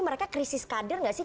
mereka krisis kader gak sih